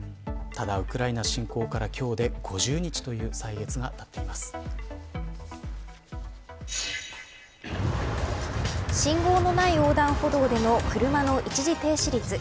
ただ、ウクライナ侵攻から今日で５０日という歳月が信号のない横断歩道での車の一時停止率。